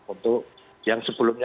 untuk yang sebelumnya